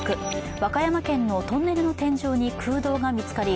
和歌山県のトンネルの天井に空洞が見つかり